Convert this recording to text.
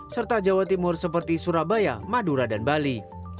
serta jawa timur seperti surabaya madura dan bali